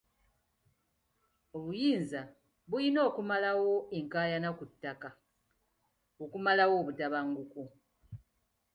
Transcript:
Obuyinza buyina okumalawo enkaayana ku ttaka okumalawo obutabanguko.